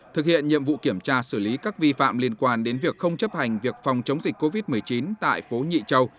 thực hiện nhiệm vụ kiểm tra xử lý các vi phạm liên quan đến việc không chấp hành việc phòng chống dịch covid một mươi chín tại phố nhị châu